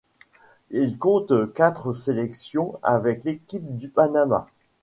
Il compte quatre sélections avec l'équipe du Panama.